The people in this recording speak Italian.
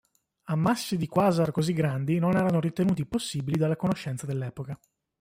Ammassi di quasar così grandi non erano ritenuti possibili dalle conoscenze dell'epoca.